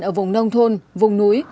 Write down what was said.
ở vùng nông thôn vùng núi